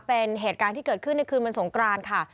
เป็นเหตุการณ์ที่เกิดขึ้นในคืนวันสงกรานค่ะ